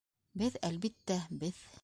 Беҙ, әлбиттә, беҙ.